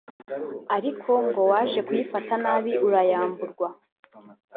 ariko ngo waje kuyifata nabi urayamburwa